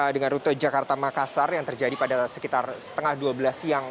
dengan rute jakarta makassar yang terjadi pada sekitar setengah dua belas siang